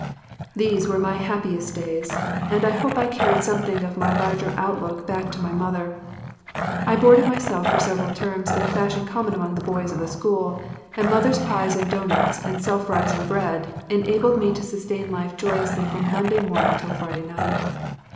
These were my happiest days, and I hope I carried something of my larger outlook back to my mother. I boarded myself for several terms in a fashion common among the boys of the school, and mother’s pies and doughnuts and “self rising” bread enabled me to sustain life joyously from Monday morning till Friday night.